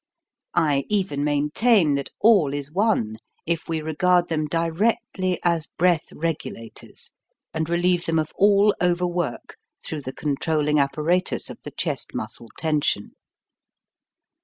I even maintain that all is won if we regard them directly as breath regulators, and relieve them of all overwork through the controlling apparatus of the chest muscle tension.